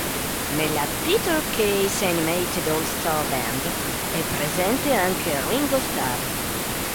Nella Peter Kay's Animated All Star Band è presente anche Ringo Starr.